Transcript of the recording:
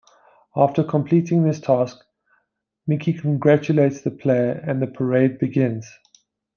After completing this task, Mickey congratulates the player and the parade begins.